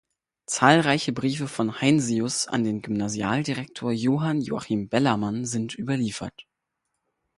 Zahlreiche Briefe von Heinsius an den Gymnasialdirektor Johann Joachim Bellermann sind überliefert.